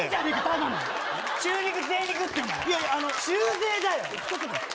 中背だよ。